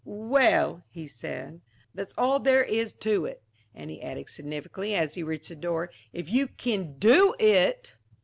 "Well," he said, "that's all there is to it." And he added significantly as he reached the door, "If you kin do it!"